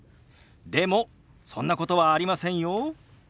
でもそんなことはありませんよ。